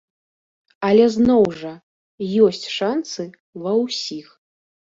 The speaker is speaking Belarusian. Але зноў жа, ёсць шанцы ва ўсіх.